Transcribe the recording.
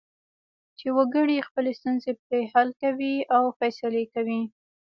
چې وګړي خپلې ستونزې پرې حل کوي او فیصلې کوي.